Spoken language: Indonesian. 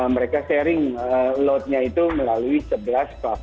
mereka sharing loadnya itu melalui sebelah platform online lainnya